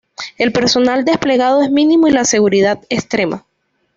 El personal desplegado es mínimo y la seguridad extrema.